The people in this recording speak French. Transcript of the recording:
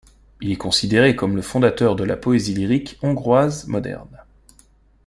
Il est considéré comme le fondateur de la poésie lyrique hongroise moderne.